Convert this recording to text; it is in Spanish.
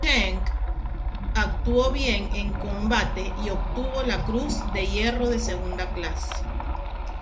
Schenck actuó "bien" en combate y obtuvo la Cruz de Hierro de segunda clase.